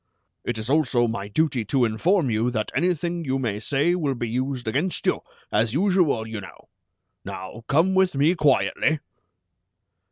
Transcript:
It is also my duty to inform you that anything you may say will be used against you, as usual, you know! Now come with me quietly!"